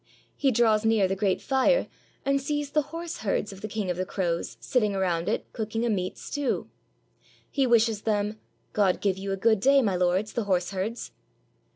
He draws near the great fire, and sees the horseherds of the King of the Crows sitting around it cooking a meat stew. He wishes them, " God give you a good day, my lords, the horseherds."